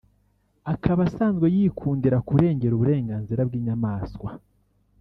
akaba asanzwe yikundira kurengera uburenganzira bw’inyamaswa